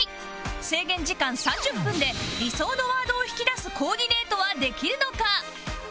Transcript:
制限時間３０分で理想のワードを引き出すコーディネートはできるのか？